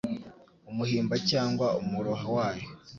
Umuhimba cyangwa umuroha wayo